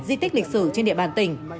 di tích lịch sử trên địa bàn tỉnh